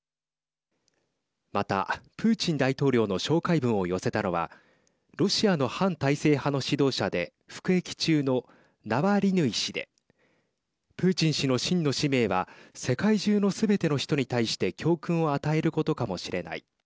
また、プーチン大統領の紹介文を寄せたのはロシアの反体制派の指導者で服役中のナワリヌイ氏でプーチン氏の真の使命は世界中のすべての人に対して教訓を与えることかもしれない。